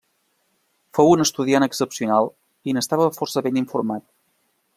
Fou un estudiant excepcional i n'estava força ben informat.